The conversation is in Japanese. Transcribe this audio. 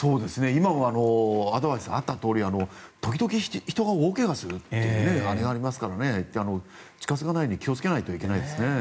今もアドバイスがあったとおり時々、人が大怪我するというのがありますから近付かないように気をつけないといけないですね。